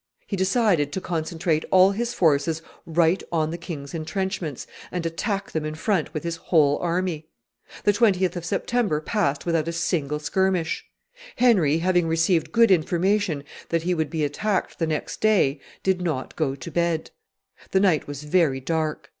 He decided to concentrate all his forces right on the king's intrenchments, and attack them in front with his whole army. The 20th of September passed without a single skirmish. Henry, having received good information that he would be attacked the next day, did not go to bed. The night was very dark.